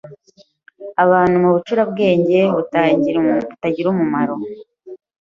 abantu mu bucurabwenge butagira umumaro